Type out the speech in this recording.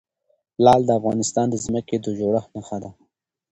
لعل د افغانستان د ځمکې د جوړښت نښه ده.